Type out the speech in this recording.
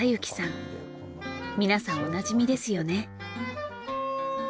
皆さんおなじみですよね。